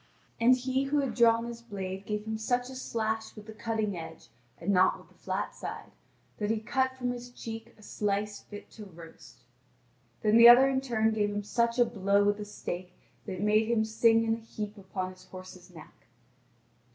And he who had drawn his blade gave him such a slash with the cutting edge, and not with the flat side, that he cut from his cheek a slice fit to roast. Then the other in turn gave him such a blow with the stake that it made him sing in a heap upon his horse's neck.